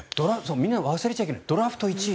みんな忘れちゃいけないドラフト１位。